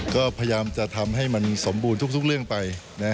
ก็พยายามจะทำให้มันสมบูรณ์ทุกเรื่องไป